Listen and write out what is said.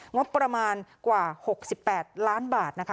งบประมาณกว่าหกสิบแปดล้านบาทนะคะ